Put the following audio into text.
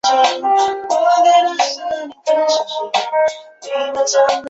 求其上